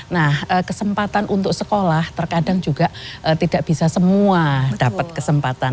nah kesempatan untuk sekolah terkadang juga tidak bisa semua dapat kesempatan